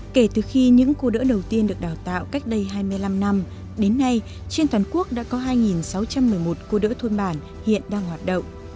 kể từ khi những cô đỡ đầu tiên được đào tạo cách đây hai mươi năm năm đến nay trên toàn quốc đã có hai sáu trăm một mươi một cô đỡ thôn bản hiện đang hoạt động